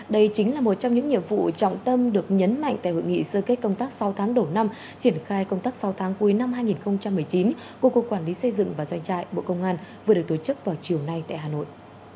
đây chính là một trong những nhiệm vụ trọng tâm được nhấn mạnh tại hội nghị sơ kết công tác sáu tháng đầu năm triển khai công tác sáu tháng cuối năm hai nghìn một mươi chín của cục quản lý xây dựng và doanh trại bộ công an vừa được tổ chức vào chiều nay tại hà nội